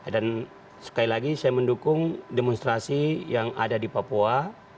dan sekali lagi saya mendukung demonstrasi yang ada di papua